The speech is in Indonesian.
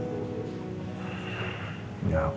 tidak ada apa apa papa